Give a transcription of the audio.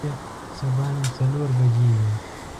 د شپې څه باندې څلور بجې وې.